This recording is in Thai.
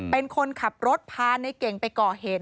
เป็นคนขับรถพาในเก่งไปก่อเหตุ